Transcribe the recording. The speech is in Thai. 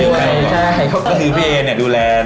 ก็คือพี่เอเนี่ยดูแล